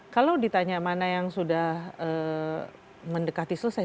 kalau ditanya mana yang sudah mendekati selesai